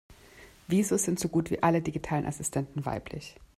Wieso sind so gut wie alle digitalen Assistenten weiblich?